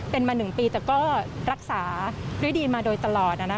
เป็นมา๑ปีแต่ก็รักษาด้วยดีมาโดยตลอด